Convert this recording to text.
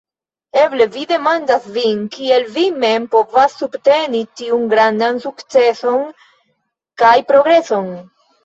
Eble vi demandas vin, kiel vi mem povas subteni tiun grandan sukceson kaj progreson.